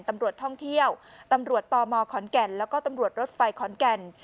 ตำรวจท่องเที่ยวตำรวจตมขอนแก่นแล้วก็ตำรวจรถไฟขอนแก่น